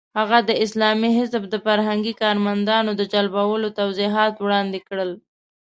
هغه د اسلامي حزب د فرهنګي کارمندانو د جلبولو توضیحات وړاندې کړل.